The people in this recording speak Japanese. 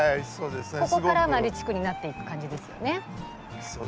ここからマレ地区になっている感じですね。